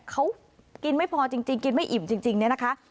เขากินไม่พอจริงกินไม่อิ่มจริงเนี่ยนะคะ